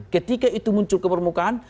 ketika itu muncul ke permukaan